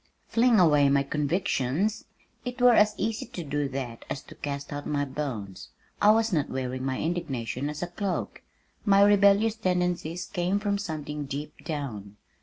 Fling away my convictions! It were as easy to do that as to cast out my bones. I was not wearing my indignation as a cloak. My rebellious tendencies came from something deep down.